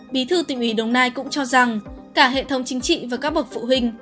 bí thư tỉnh ủy đồng nai cũng cho rằng cả hệ thống chính trị và các bậc phụ huynh